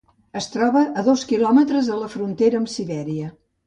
Es troba a dos kilòmetres de la frontera amb Sibèria.